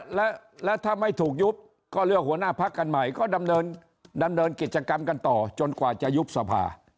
แล้วถ้าไม่ถูกยุบก็เลือกหัวหน้าพักกันใหม่ก็ดำเนินกิจกรรมกันต่อจนกว่าจะยุบสภา